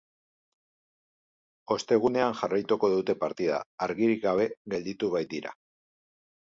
Ostegunean jarraituko dute partida, arigirik gabe gelditu baitira.